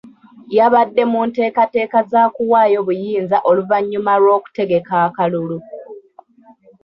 Yabadde mu nteekateeka za kuwaayo buyinza oluvannyuma lw'okutegeka akalulu.